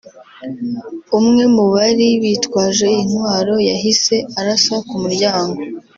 umwe mu bari bitwaje intwaro yahise arasa ku muryango